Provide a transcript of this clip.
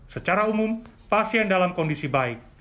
secara umum pasien dalam kondisi baik